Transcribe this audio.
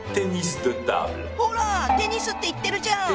ほらテニスって言ってるじゃん。